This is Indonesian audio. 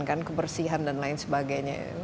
kan kebersihan dan lain sebagainya